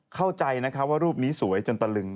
เข้าใจนะคะว่ารูปนี้สวยจนตะลึง